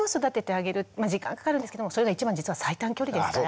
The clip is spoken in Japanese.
まあ時間かかるんですけどもそれが一番実は最短距離ですから。